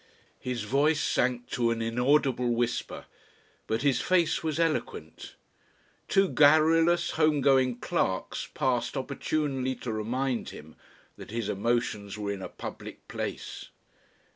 His voice sank to an inaudible whisper. But his face was eloquent. Two garrulous, home going clerks passed opportunely to remind him that his emotions were in a public place.